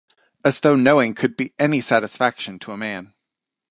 As though knowing could be any satisfaction to a man!